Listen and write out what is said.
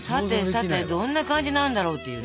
さてさてどんな感じになんだろうっていうね。